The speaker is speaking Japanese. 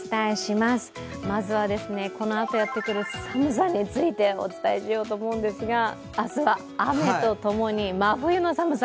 まずは、このあとやってくる寒さについてお伝えしようと思うんですが明日は雨とともに真冬の寒さ。